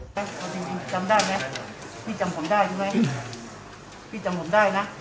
ถ้าเอาจริงจำได้ไหมพี่จำผมได้ใช่ไหมพี่จำผมได้นะ